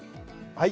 はい。